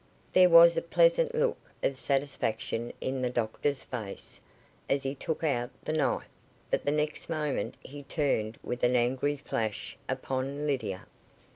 There was a pleasant look of satisfaction in the doctor's face, as he took out the knife, but the next moment he turned with an angry flash upon Lydia.